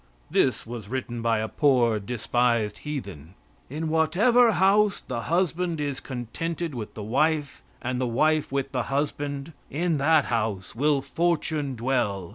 This was written by a poor, despised heathen: "In whatever house the husband is contented with the wife and the wife with the husband, in that house will fortune dwell.